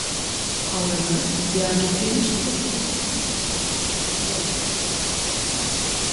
However, Biaggi finished the season in only fifth place.